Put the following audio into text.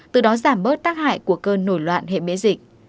từ đó giảm bớt tác hại của cơn nổi loạn hệ miễn dịch